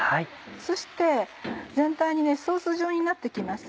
そして全体にソース状になって来ます。